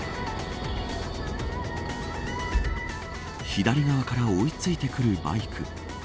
左側から追いついてくるバイク。